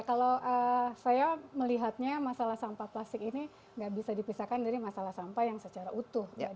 kalau saya melihatnya masalah sampah plastik ini nggak bisa dipisahkan dari masalah sampah yang secara utuh